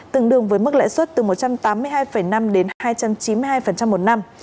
tương đương với mức lãi suất từ một trăm tám mươi hai năm đến hai trăm chín mươi hai một năm